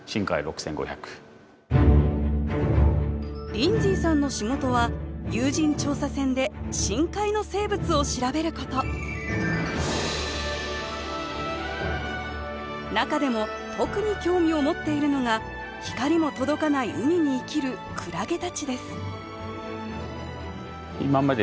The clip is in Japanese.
リンズィーさんの仕事は有人調査船で深海の生物を調べること中でも特に興味を持っているのが光も届かない海に生きるクラゲたちです